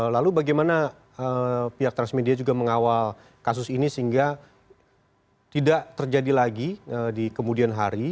lalu bagaimana pihak transmedia juga mengawal kasus ini sehingga tidak terjadi lagi di kemudian hari